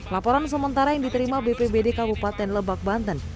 laporan sementara yang diterima bpbd kabupaten lebak banten